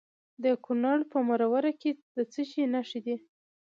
د کونړ په مروره کې د څه شي نښې دي؟